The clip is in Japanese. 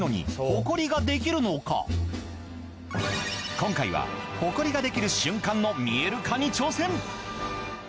今回はホコリができる瞬間の見える化に挑戦。